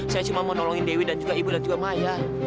saya cuma menolongin dewi dan juga ibu dan juga maya